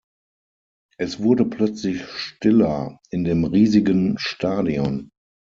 Es wurde plötzlich stiller in dem riesigen Stadion.